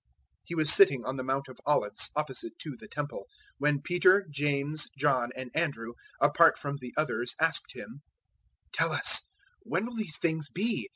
013:003 He was sitting on the Mount of Olives opposite to the Temple, when Peter, James, John, and Andrew, apart from the others asked Him, 013:004 "Tell us, When will these things be?